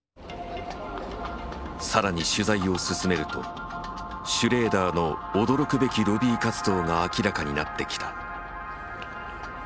さらに取材を進めるとシュレーダーの驚くべきロビー活動が明らかになってきた。